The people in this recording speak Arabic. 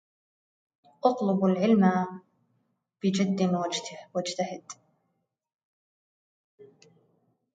اطلب العلم بجد واجتهد